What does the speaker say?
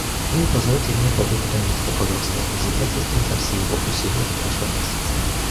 Ну и позвольте мне поблагодарить эквадорское председательство за все его усилия в прошлом месяце.